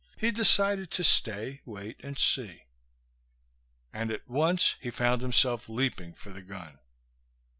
He decided to stay, wait and see. And at once he found himself leaping for the gun.